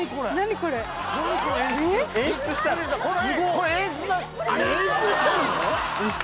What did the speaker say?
これ演出したの？